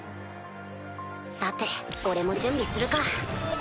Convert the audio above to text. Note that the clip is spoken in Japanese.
さて俺も準備するか。